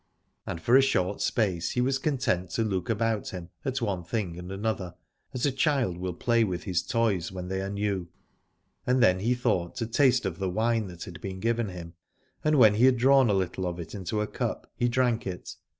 And for a short space he was content to look about him at one thing and another, as a child will play with his toys when they are new : and then he thought to taste of the wine that had been given him, and when he had drawn a little of it into a cup, he drank it.